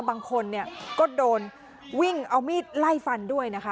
บางคนเนี่ยก็โดนวิ่งเอามีดไล่ฟันด้วยนะคะ